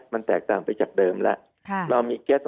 มันแตกต่างไปจากเดิมแล้ว